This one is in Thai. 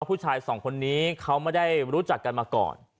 ผู้ชายสองคนนี้เขาไม่ได้รู้จักกันมาก่อน